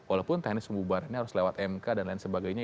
walaupun teknis pembubarannya harus lewat emk dan lain sebagainya